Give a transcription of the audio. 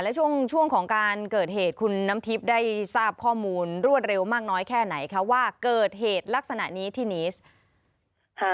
และช่วงช่วงของการเกิดเหตุคุณน้ำทิพย์ได้ทราบข้อมูลรวดเร็วมากน้อยแค่ไหนคะว่าเกิดเหตุลักษณะนี้ที่นีส